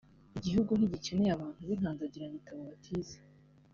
Igihugu ntigikeneye abantu b’inkandagirabitabo batize